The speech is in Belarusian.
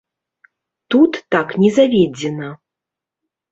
Тут так не заведзена.